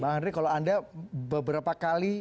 bang andri kalau anda beberapa kali